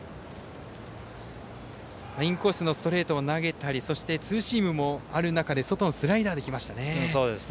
インコースのストレートを投げたりそして、ツーシームもある中で外のスライダーできましたね。